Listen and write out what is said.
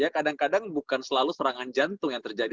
kadang kadang bukan selalu serangan jantung yang terjadi